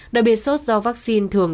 đặc biệt sốt do vaccine thường